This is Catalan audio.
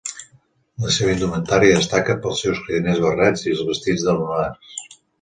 La seva indumentària destaca pels seus cridaners barrets i els vestits de lunars.